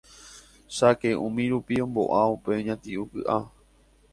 Cháke umírupi ombo'a upe ñati'ũ ky'a